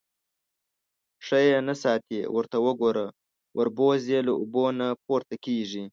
_ښه يې نه ساتې. ورته وګوره، وربوز يې له اوبو نه پورته کېږي.